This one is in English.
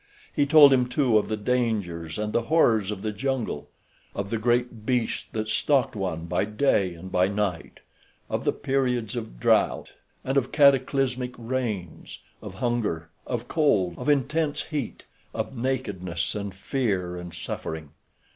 He told him, too, of the dangers and the horrors of the jungle; of the great beasts that stalked one by day and by night; of the periods of drought, and of the cataclysmic rains; of hunger; of cold; of intense heat; of nakedness and fear and suffering.